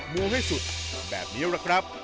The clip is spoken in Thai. มูให้สุดแบบนี้ล่ะครับ